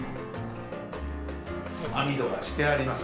網戸がしてあります。